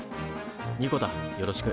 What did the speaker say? ニコだよろしく。